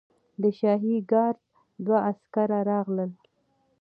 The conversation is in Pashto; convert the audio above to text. د شاهي ګارډ دوه عسکر راغلل.